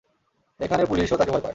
এখানের পুলিশও তাকে ভয় পায়।